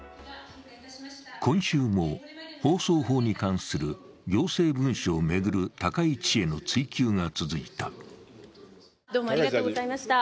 今週も放送法に関する行政文書を巡る高市氏への追及が続いた。